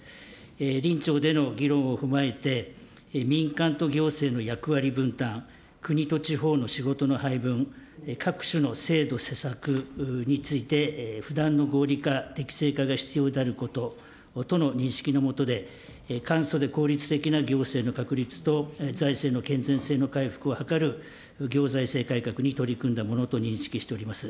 臨調での議論を踏まえて、民間と行政の役割分担、国と地方の仕事の配分、各種の制度施策について、不断の合理化・適正化が必要であることとの認識の下で、簡素で効率的な行政の確立と財政の健全性の回復を図る行財政改革に取り組んだものと認識しております。